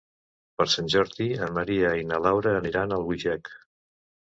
Per Sant Jordi en Maria i na Laura aniran a Albuixec.